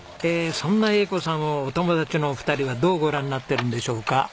そんな栄子さんをお友達のお二人はどうご覧になってるんでしょうか。